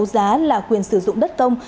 đấu giá là quyền sử dụng đất công